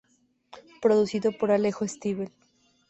Producido por Alejo Stivel.